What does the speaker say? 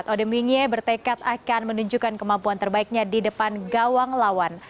ode minge bertekad akan menunjukkan kemampuan terbaiknya di depan gawang lawan